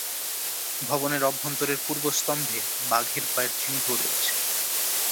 ভবনের অভ্যন্তরের পূর্ব স্তম্ভে বাঘের পায়ের চিহ্ন রয়েছে।